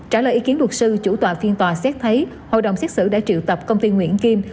trả lời ý kiến luật sư chủ tòa phiên tòa xét thấy hội đồng xét xử đã triệu tập công ty nguyễn kim